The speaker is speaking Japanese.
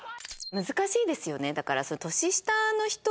難しいですよねだから。